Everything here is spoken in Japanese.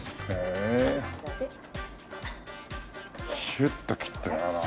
シュッと切ってあら。